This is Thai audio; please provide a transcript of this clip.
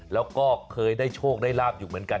แล้วก็เคยได้โชคได้ลาบอยู่เหมือนกัน